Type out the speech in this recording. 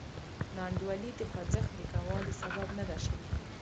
ناانډولي د خوځښت د کموالي سبب نه ده شوې.